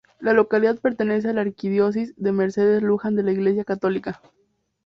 La localidad pertenece a la Arquidiócesis de Mercedes-Luján de la Iglesia católica.